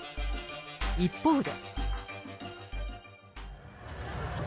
一方で。